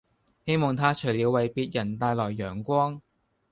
希望他除了為別人帶來陽光